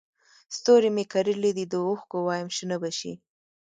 ستوري مې کرلي دي د اوښکو وایم شنه به شي